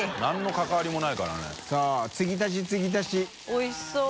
おいしそう。